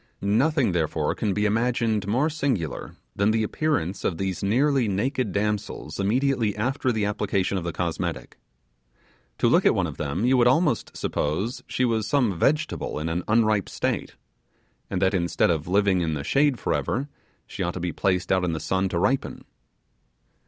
Nothing, therefore, can be imagined more singular than the appearance of these nearly naked damsels immediately after the application of the cosmetic. To look at one of them you would almost suppose she was some vegetable in an unripe state; and that, instead of living in the shade for ever, she ought to be placed out in the sun to ripen.